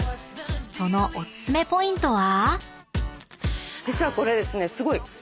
［そのおすすめポイントは？］